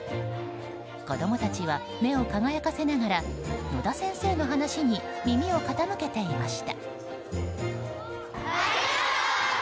子供たちは目を輝かせながら野田先生の話に耳を傾けていました。